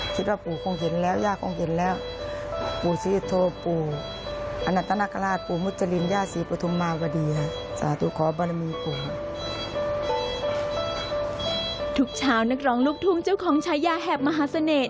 ทุกเช้านักร้องลูกทุ่งเจ้าของชายาแหบมหาเสน่ห